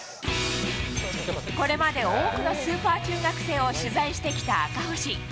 これまで多くのスーパー中学生を取材してきた赤星。